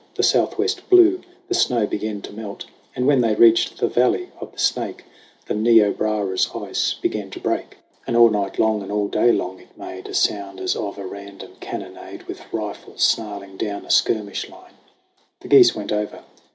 The Southwest blew, the snow began to melt ; And when they reached the valley of the Snake, The Niobrara's ice began to break, 112 SONG OF HUGH GLASS And all night long and all day long it made A sound as of a random cannonade With rifles snarling down a skirmish line. The geese went over.